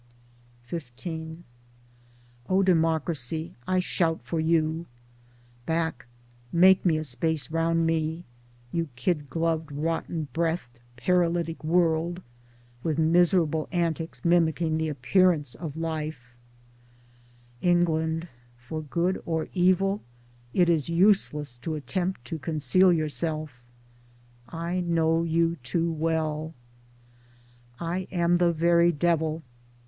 XV O Democracy, I shout for you ! Back ! Make me a space round me, you kid gloved rotten breathed paralytic world, with miserable antics mimick ing the appearance of life. Towards Democracy 21 England ! for good or evil it is useless to attempt to conceal yourself — I know you too well. I am the very devil.